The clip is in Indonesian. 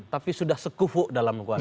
tapi sudah sekufu dalam koalisi